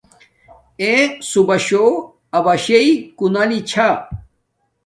اݺ سُبݸشݸ اَبَشݵئ کُنَلݵ چھݳ.